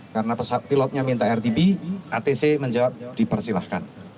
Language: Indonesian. karena pilotnya minta rtb atc menjawab dipersilahkan